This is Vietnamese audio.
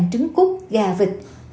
một mươi ba trứng cút gà vịt